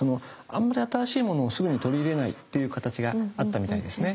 あんまり新しいものをすぐに取り入れないっていう形があったみたいですね。